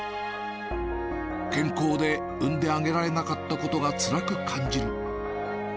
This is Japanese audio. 健康で産んであげられなかったことがつらく感じる。